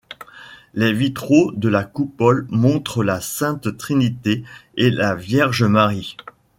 Les vitraux de la coupole montrent la Sainte Trinité et la Vierge Marie.